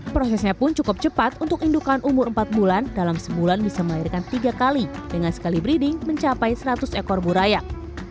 prosesnya pun cukup cepat untuk indukan umur empat bulan dalam sebulan bisa melahirkan tiga kali dengan sekali breeding mencapai seratus ekor burayak